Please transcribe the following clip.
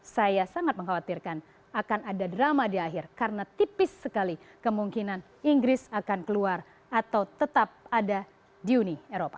saya sangat mengkhawatirkan akan ada drama di akhir karena tipis sekali kemungkinan inggris akan keluar atau tetap ada di uni eropa